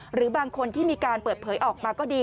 หรือบางคนที่มีการเปิดเผยออกมาก็ดี